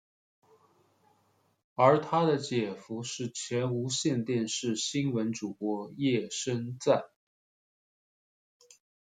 而他的姐夫是前无线电视新闻主播叶升瓒。